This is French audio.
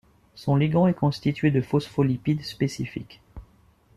Son ligand est constitué de phospholipides spécifiques.